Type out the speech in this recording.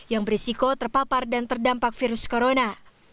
yang berisiko terpapar dan terdampak virus corona